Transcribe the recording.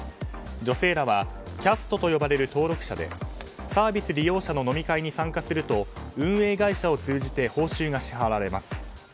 女性らはキャストと呼ばれる登録者でサービス利用者の飲み会に参加すると運営会社を通じて報酬が支払われます。